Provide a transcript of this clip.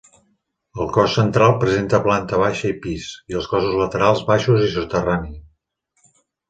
El cos central presenta planta baixa i pis, i els cossos laterals baixos i soterrani.